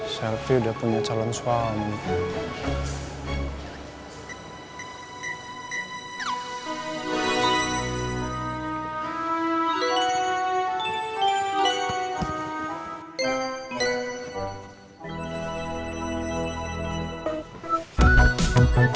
selfie udah punya calon suami